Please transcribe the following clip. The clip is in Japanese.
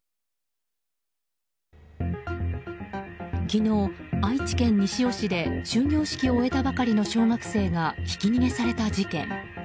昨日、愛知県西尾市で終業式を終えたばかりの小学生がひき逃げされた事件。